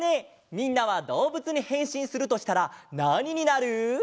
みんなはどうぶつにへんしんするとしたらなにになる？